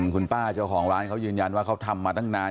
คุณป้าเจ้าของร้านเขายืนยันว่าเขาทำมาตั้งนาน